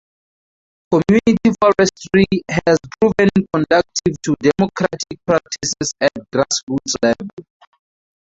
Community forestry has proven conducive to democratic practices at grass roots level.